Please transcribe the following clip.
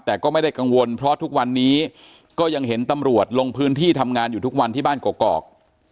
แต่ก็ไม่ได้กังวลเพราะทุกวันนี้ก็ยังเห็นตำรวจลงพื้นที่ทำงานอยู่ทุกวันที่บ้านกอก